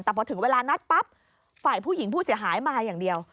แต่พอถึงเวลานัดปั๊บฝ่ายผู้หญิงผู้เสียหายมาอย่างเดียว